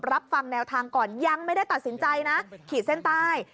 รับฟังแนวทางก่อนยังไม่ได้ตัดสินใจนะขีดเส้นใต้